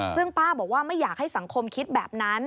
ซึ่งป้าบอกว่าไม่อยากให้สังคมคิดแบบนั้น